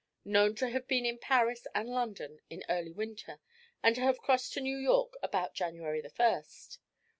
Known to have been in Paris and London in early winter, and to have crossed to New York about January 1st.